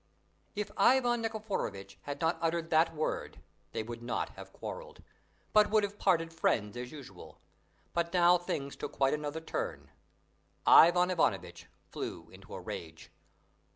If Ivan Nikiforovitch had not uttered that word they would not have quarrelled, but would have parted friends as usual; but now things took quite another turn. Ivan Ivanovitch flew into a rage.